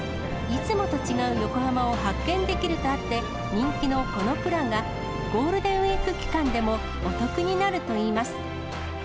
いつもと違う横浜を発見できるとあって、人気のこのプランが、ゴールデンウィーク期間でもお得になるといいます。